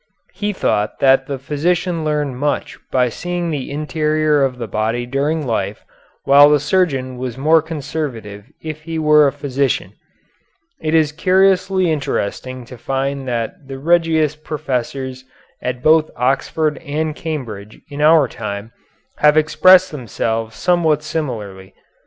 He thought that the physician learned much by seeing the interior of the body during life, while the surgeon was more conservative if he were a physician. It is curiously interesting to find that the Regius Professors at both Oxford and Cambridge in our time have expressed themselves somewhat similarly.